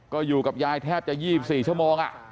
ก็อยู่กับยายแทบจะ๒๔ชั่วโมง